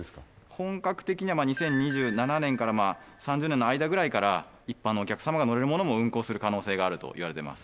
本格的には２０２７年から３０年の間ぐらいから一般のお客様が乗れるものも運航する可能性があるといわれています